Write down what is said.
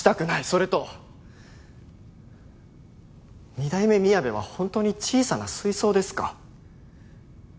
それと二代目みやべは本当に小さな水槽ですか？